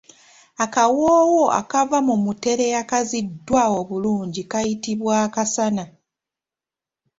Akawoowo akava mu mutere akaziddwa obulungi kayitibwa akasana.